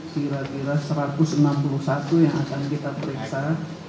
kira kira satu ratus enam puluh satu yang akan kita periksa